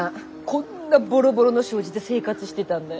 こんなボロボロの障子で生活してたんだ。